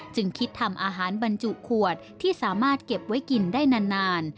จึงคิดทำอาหารบรรจุขวดที่สามารถเก็บไว้กินได้นาน